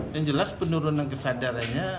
yang jelas penurunan kesadarannya